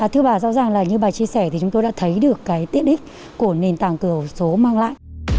thưa bà do rằng là như bà chia sẻ thì chúng tôi đã thấy được cái tiết ích của nền tảng cửa khẩu số mang lại